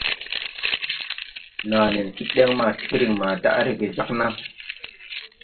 Naa nen kid den maa tigrin maa daʼ rege jāg naa.